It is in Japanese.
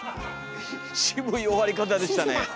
渋い終わり方でしたね